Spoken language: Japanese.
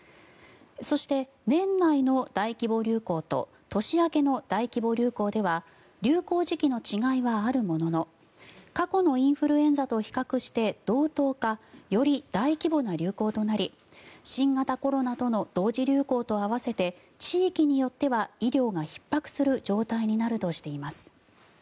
そして、年内の大規模流行と年明けの大規模流行では流行時期の違いはあるものの過去のインフルエンザと比較して同等かより大規模な流行となり新型コロナとの同時流行と合わせて地域によっては医療がひっ迫する状態になるとしています。